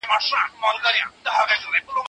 تخنيکي معلومات د کار په ساحه کي اړين دي.